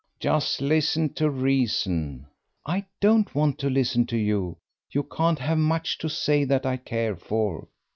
"Just listen to reason." "I don't want to listen to you; you can't have much to say that I care for."